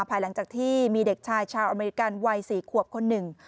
ภายหลังจากที่มีเด็กชายชาวอเมริกันวัย๔ขวบคนหนึ่ง